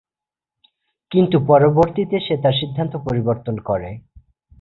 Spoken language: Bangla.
কিন্তু পরবর্তীতে সে তার সিদ্ধান্ত পরিবর্তন করে।